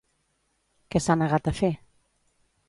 Què s'ha negat a fer?